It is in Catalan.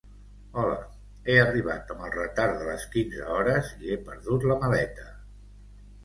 Hola, he arribat amb el retard de les quinze hores i he perdut la maleta.